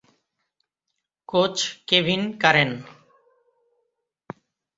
coach: Kevin current